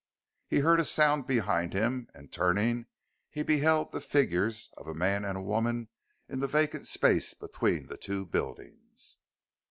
He heard a sound behind him and turning he beheld the figures of a man and a woman in the vacant space between the two buildings.